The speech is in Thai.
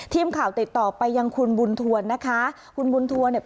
ทีมข่าวติดต่อไปยังคุณบุญทวนนะคะคุณบุญทัวร์เนี่ย